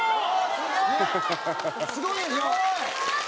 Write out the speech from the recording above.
すごい！